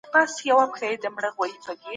الله پاک موږ ته د ژوند لاره وښودله.